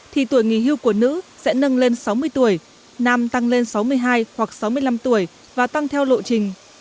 thì tuổi nghỉ hưu của nữ sẽ nâng lên sáu mươi tuổi nam tăng lên sáu mươi hai hoặc sáu mươi năm tuổi và tăng theo lộ trình